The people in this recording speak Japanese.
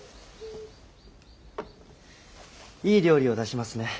いい料理を出しますね。